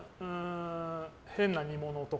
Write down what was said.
変な煮物とか。